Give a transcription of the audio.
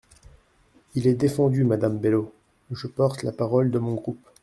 Il est défendu, madame Bello ? Je porte la parole de mon groupe.